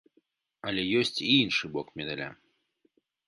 Але ёсць і іншы бок медаля.